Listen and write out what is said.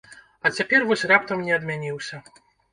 А цяпер вось раптам не адмяніўся.